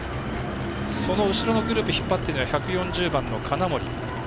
その後ろのグループを引っ張っているのは１４０番の金森。